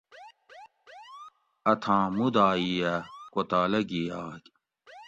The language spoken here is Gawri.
اتھاں مودائی ا کوتالہ گھی یاگ